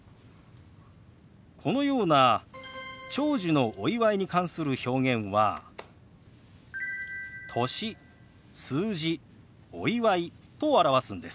このような長寿のお祝いに関する表現は「歳」「数字」「お祝い」と表すんです。